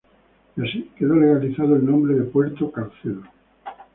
Y así quedó legalizado el nombre de Puerto Caicedo.